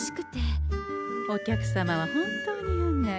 お客様は本当に運がいい。